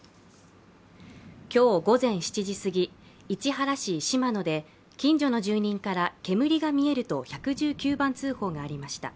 今日午前７時すぎ市原市島野で近所の住人から煙が見えると１１９番通報がありました。